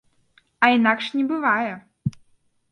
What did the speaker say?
А інакш не бывае.